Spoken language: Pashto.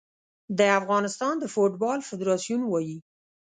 د افغانستان د فوټبال فدراسیون وايي